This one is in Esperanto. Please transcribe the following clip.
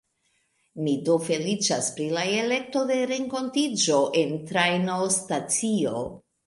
Mi do feliĉas pri la elekto de renkontiĝo en trajnostacio.